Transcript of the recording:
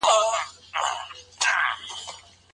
آیا په ثواب درکولو کي ټول يو شان دي؟